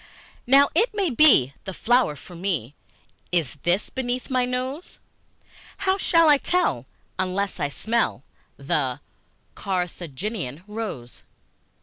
Now it may be, the flower for me Is this beneath my nose; How shall I tell, unless I smell The Carthaginian rose?